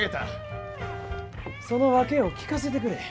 その訳を聞かせてくれ。